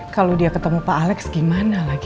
kalau dia ketemu pak alex gimana lagi